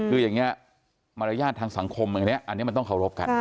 คืออย่างนี้มารยาททางสังคมอย่างนี้อันนี้มันต้องเคารพกัน